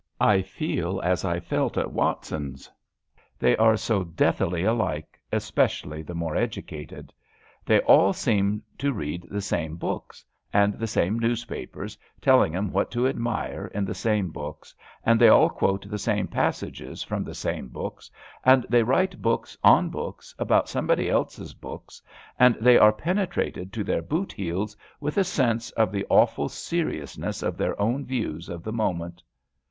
I feel as I felt at Watson's. They are so deathlily alike, especially the more educated. They all 202 ABAFT THE FUNNEL seem to read the same books^ and the same news papers telling 'em what to admire in the same books, and they all quote the same passages from the same books, and they write books on books about somebody else's books, and they are pene trated to their boot heels with a sense of the awful seriousness of their own views of the moment.